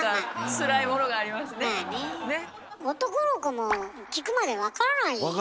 男の子も聞くまで分からないもんね。